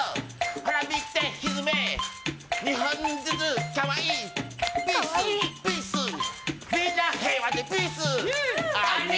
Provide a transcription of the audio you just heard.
ほら見て、ひずめ２本ずつかわいい、ピース、ピースみんな平和でピース。